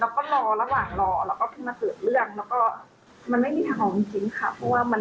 แล้วก็รอระหว่างรอแล้วก็พึ่งมาเกิดเรื่อง